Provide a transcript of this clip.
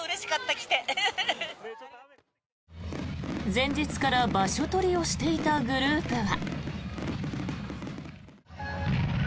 前日から場所取りをしていたグループは。